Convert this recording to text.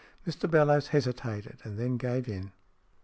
Mr Bellowes hesitated, and then gave in.